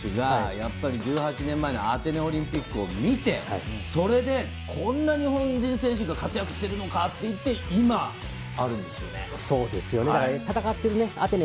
山崎選手が１８年前のアテネオリンピックを見て、それでこんな日本人選手が活躍してるのかって言って、今があるんですよね。